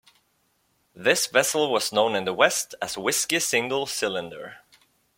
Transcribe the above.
This vessel was known in the West as Whiskey Single Cylinder.